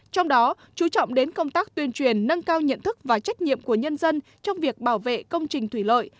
trong đó chú trọng đến công tác tuyên truyền nâng cao nhận thức và trách nhiệm của nhân dân trong việc bảo vệ công trình thủy lợi